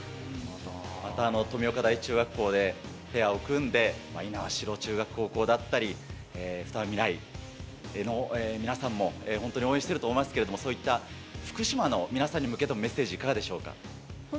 また富岡第一中学校でペアを組んで、猪苗代中学校だったり、ふたばみらいの皆さんも本当に応援してると思いますけれども、そういった福島の皆さんに向けてのメッセージ、いかがでしょうか。